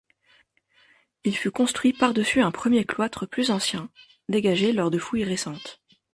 Il fut construit par-dessus un premier cloître plus ancien, dégagé lors de fouilles récentes.